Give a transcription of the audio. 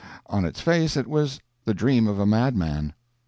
On its face it was the dream of a madman.